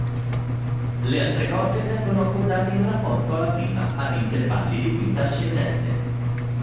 Le altre corde vengono accordate in rapporto alla prima, ad intervalli di quinta ascendente.